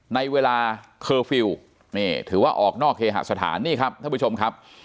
ในเวลาเคอร์ฟิลล์นี่ถือว่าออกนอกเคหสถานนี่ครับท่านผู้ชมครับ